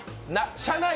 車内？